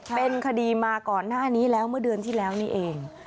เป็นคดีมาก่อนหน้านี้แล้วเมื่อเดือนที่แล้วนี่เอง